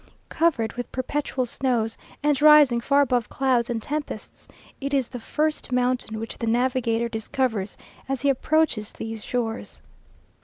Covered with perpetual snows, and rising far above clouds and tempests, it is the first mountain which the navigator discovers as he approaches these shores.